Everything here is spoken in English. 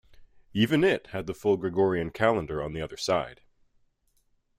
Even it had the full Gregorian calendar on the other side.